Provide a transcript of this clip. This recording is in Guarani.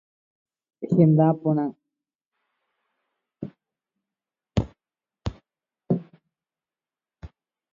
Henda porã.